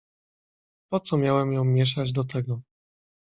"Po co miałem ją mieszać do tego?"